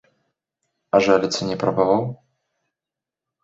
А жаліцца не прабаваў?